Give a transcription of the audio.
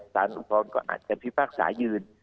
อุทธรณ์ก็อาจจะพิพากษายืน